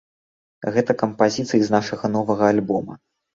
Гэта кампазіцыі з нашага новага альбома.